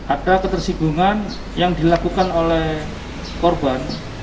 ada ketersinggungan yang dilakukan oleh korban